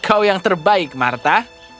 kau yang terbaik martha